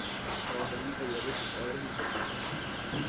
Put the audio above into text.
Trabajó en el taller de su padre junto con otros hermanos suyos.